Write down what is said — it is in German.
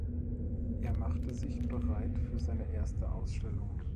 Er machte sich bereit für seine erste Ausstellung.